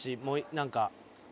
もう何か。